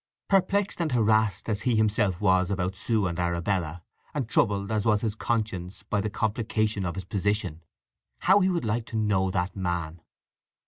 Perplexed and harassed as he himself was about Sue and Arabella, and troubled as was his conscience by the complication of his position, how he would like to know that man!